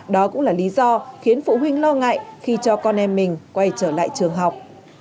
đó cũng là lý do khiến phụ huynh lo ngại khi cho con em mình quay trở lại trường học